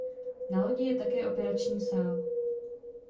Na lodi je také operační sál.